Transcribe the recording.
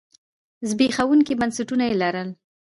زبېښونکي بنسټونه یې لرل.